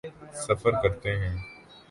سفر کرتے ہیں۔